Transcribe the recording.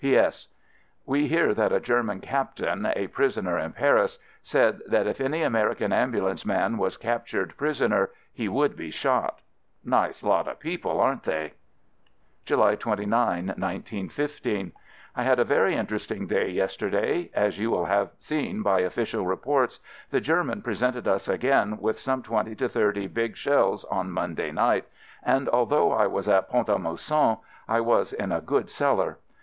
P.S. We hear that a German captain, a prisoner in Paris, said that if any Ameri can ambulance man was captured pris 1 He died soon after. FIELD SERVICE 83 oner he would be shot ! Nice lot of people ! are n't they? July 29, 1915. I had a very interesting day yesterday; as you will have seen by official reports, the Germans presented us again with some twenty to thirty big shells on Mon day night, and although I was at Pont a Mousson, I was in a good cellar!